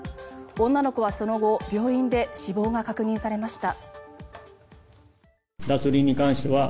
女の子はその後、病院で死亡が確認されました。